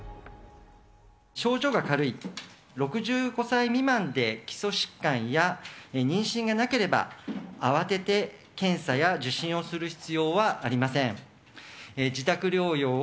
症状が軽い６５歳未満で基礎疾患や妊娠がなければ、慌てて検査や受診をする必要はありません。